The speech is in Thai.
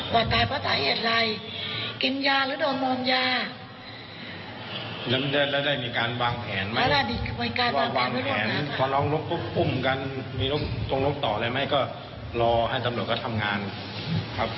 ว่าวางแผนพอน้องนกก็ปุ้มกันมีตรงนกต่ออะไรไม่ก็รอให้สำรวจก็ทำงานครับ